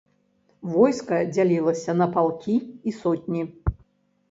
Войска дзялілася на палкі і сотні.